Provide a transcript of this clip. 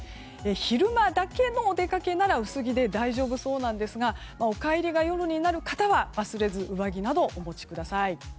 昼間だけのお出かけなら薄着で大丈夫そうですがお帰りが夜になる方は忘れず上着などをお持ちください。